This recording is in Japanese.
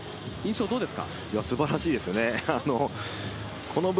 印象どうですか？